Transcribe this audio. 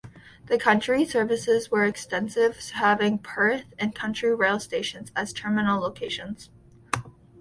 The country services were extensive having Perth and country rail stations as terminal locations.